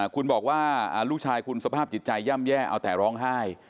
คุณบอกว่าลูกชายคุณสภาพจิตใจย่ำแย่เอาแต่ร้องไห้